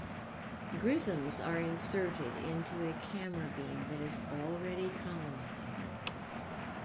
Grisms are inserted into a camera beam that is already collimated.